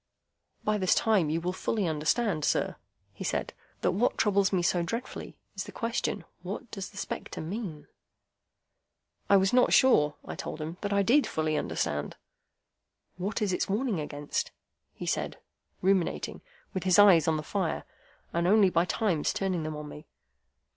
"By this time you will fully understand, sir," he said, "that what troubles me so dreadfully is the question, What does the spectre mean?" I was not sure, I told him, that I did fully understand. "What is its warning against?" he said, ruminating, with his eyes on the fire, and only by times turning them on me.